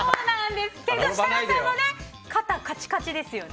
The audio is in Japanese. でも設楽さんもね肩、カチカチですよね。